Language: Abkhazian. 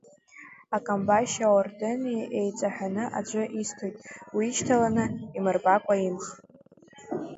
Акамбашьи аордыни еиҵаҳәаны аӡәы исҭоит уишьҭаланы имырбакәа имх.